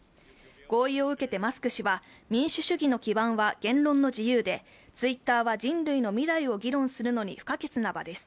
合意を受けてマスク氏は、民主主義の基盤は言論の自由で、ツイッターは人類の未来を議論するのに不可欠なばです。